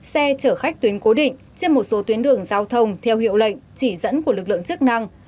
xe chở khách tuyến cố định trên một số tuyến đường giao thông theo hiệu lệnh chỉ dẫn của lực lượng chức năng